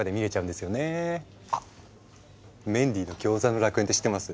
あっ「メンディーのギョーザの楽園」って知ってます？